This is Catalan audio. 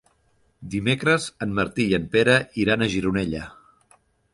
Dimecres en Martí i en Pere iran a Gironella.